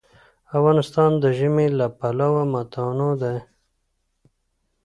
افغانستان د ژمی له پلوه متنوع دی.